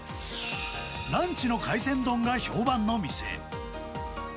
ランチの海鮮丼が評判の店。